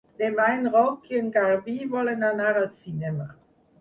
Demà en Roc i en Garbí volen anar al cinema.